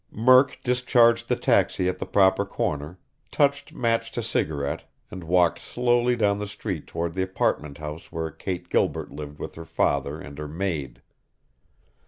Murk discharged the taxi at the proper corner, touched match to cigarette, and walked slowly down the street toward the apartment house where Kate Gilbert lived with her father and her maid.